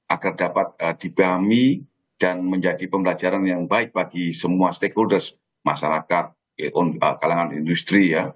agar dapat dibahami dan menjadi pembelajaran yang baik bagi semua stakeholders masyarakat kalangan industri ya